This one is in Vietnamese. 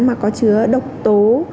mà có chứa độc tố